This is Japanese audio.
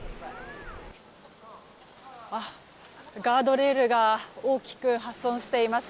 ガードレールが大きく破損しています。